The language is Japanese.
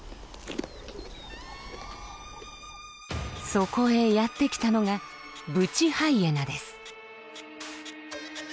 そこへやって来たのがブチハイエナです。